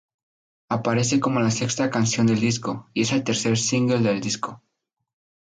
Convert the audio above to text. Aparece como la sexta canción del disco y es el tercer single del disco.